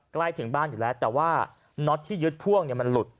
ใกล้ถึงบ้านอยู่แล้วแต่ว่าน็อตที่ยึดพ่วงเนี่ยมันหลุด